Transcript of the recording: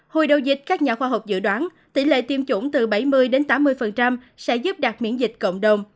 hồi đầu dịch các nhà khoa học dự đoán tỷ lệ tiêm chủng từ bảy mươi tám mươi sẽ giúp đạt miễn dịch cộng đồng